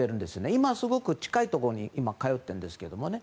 今はすごく近いところに通ってるんですけどもね。